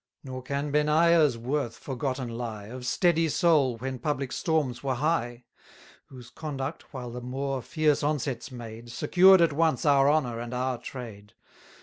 Nor can Benaiah's worth forgotten lie, Of steady soul when public storms were high; 820 Whose conduct, while the Moor fierce onsets made, Secured at once our honour and our trade.